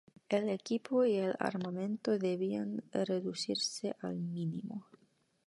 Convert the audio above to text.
El equipo y el armamento debían reducirse al mínimo.